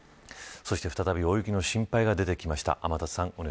そして再び大雪の心配が出てきました。